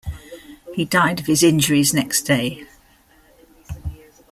He died of his injuries next day.